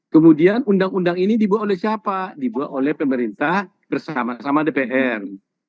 kemudian undang undang ini dibuat oleh siapa dibuat oleh pemerintah bersama sama dpr